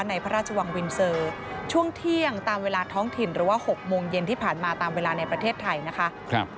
ในพระราชวังวินเซอร์ช่วงเที่ยงตามเวลาท้องถิ่นหรือว่า๖โมงเย็นที่ผ่านมาตามเวลาในประเทศไทยนะคะ